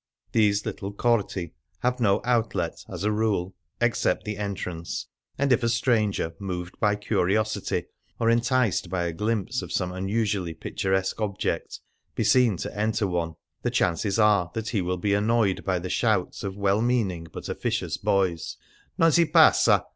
These little corti have no outlet, as a rule, except the entrance, and if a stranger, moved by curiosity, or enticed by a glimpse of some unusually picturesque object, be seen to enter one, the chances are that he will be annoyed by the shouts of well meaning but officious boys :" Non si passa